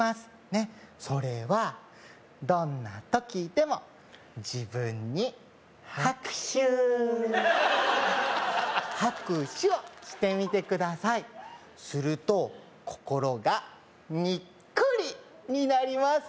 ねっそれはどんな時でも自分に拍手拍手をしてみてくださいすると心がニッコリになります